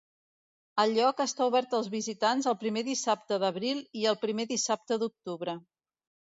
El lloc està obert als visitants el primer dissabte d'abril i el primer dissabte d'octubre.